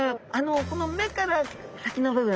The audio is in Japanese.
この目から先の部分。